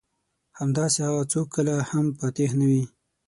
همداسې هغه څوک کله هم فاتح نه دي.